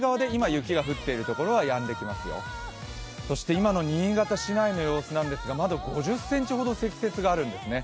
今の新潟市内の様子なんですがまだ５０ｃｍほど積雪があるんですね。